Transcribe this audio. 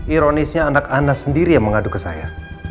ironisnya anak anas sendiri yang mengadu ke saya